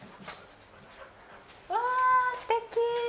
わあ、すてき。